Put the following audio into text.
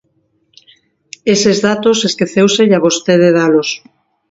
Eses datos esquecéuselle a vostede dalos.